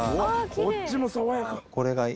こっちもさわやか！